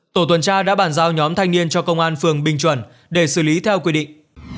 tổ tuần tra đã bàn giao nhóm thanh niên cho công an phường bình chuẩn để xử lý theo quy định